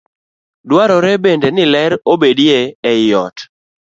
Dwarore bende ni ler obedie ei ot.